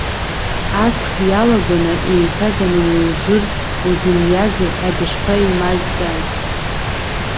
Аҵх иалагәаны еиҭаганы иужыртә узыниазеи ҳәа дышԥаимазҵааи.